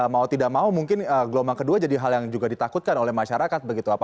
mau tidak mau mungkin gelombang kedua jadi hal yang juga ditakutkan oleh masyarakat begitu